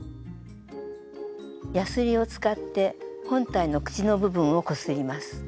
やすりを使って本体の口の部分をこすります。